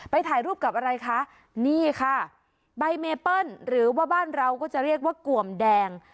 ถ่ายรูปกับอะไรคะนี่ค่ะใบเมเปิ้ลหรือว่าบ้านเราก็จะเรียกว่ากวมแดง